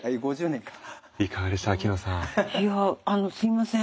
いやあのすいません